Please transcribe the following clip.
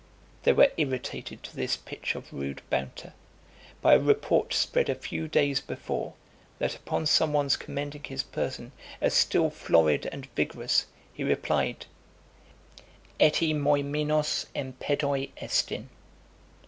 They were irritated to this pitch of rude banter, by a report spread a few days before, that, upon some one's commending his person as still florid and vigorous, he replied, Eti moi menos empedoi estin.